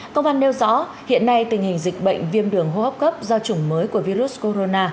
công an nêu rõ hiện nay tình hình dịch bệnh viêm đường hô hấp cấp do chủng mới của virus corona